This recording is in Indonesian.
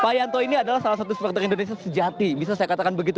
pak yanto ini adalah salah satu supporter indonesia sejati bisa saya katakan begitu